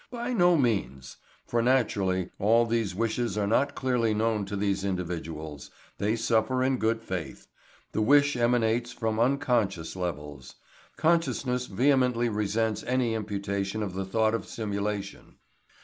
By no means! For, naturally, all these wishes are not clearly known to these individuals; they suffer in good faith. The wish emanates from unconscious levels. Consciousness vehemently resents any imputation of the thought of simulation.